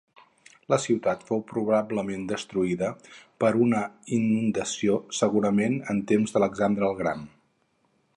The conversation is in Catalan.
La ciutat fou probablement destruïda per una inundació, segurament en temps d'Alexandre el Gran.